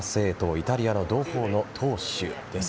イタリアの同胞の党首です。